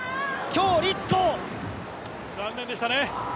残念でしたね。